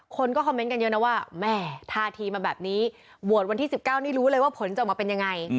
คนก็คอมเมนต์กันเยอะนะว่าแม่ท่าทีมาแบบนี้โหวตวันที่๑๙นี่รู้เลยว่าผลจะออกมาเป็นยังไง